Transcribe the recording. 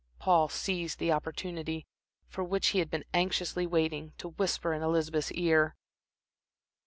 Paul seized the opportunity, for which he had been anxiously waiting, to whisper in Elizabeth's ear.